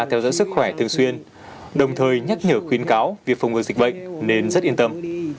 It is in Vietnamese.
theo dõi sức khỏe thường xuyên đồng thời nhắc nhở khuyến cáo việc phòng ngừa dịch bệnh nên rất yên tâm